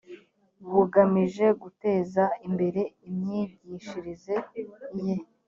bugamije guteza imbere imyigishirize ye